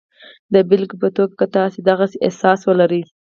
د بېلګې په توګه که تاسې د غسې احساس ولرئ